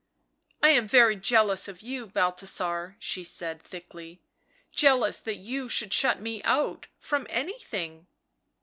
" I am very jealous of you, Balthasar," she said thickly, " jealous that you should shut me out — from anything."